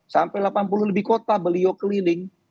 sampai delapan puluh lebih kota beliau keliling